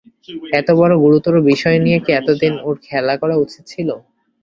এত বড়ো গুরুতর বিষয় নিয়ে কি এতদিন ওঁর খেলা করা উচিত ছিল?